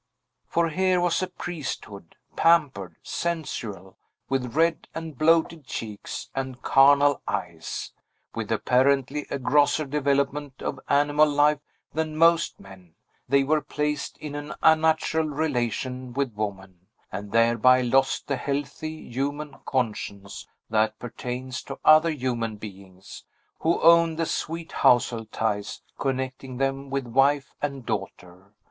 For here was a priesthood, pampered, sensual, with red and bloated cheeks, and carnal eyes. With apparently a grosser development of animal life than most men, they were placed in an unnatural relation with woman, and thereby lost the healthy, human conscience that pertains to other human beings, who own the sweet household ties connecting them with wife and daughter.